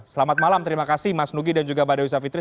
selamat malam terima kasih mas nugi dan juga mbak dewi savitri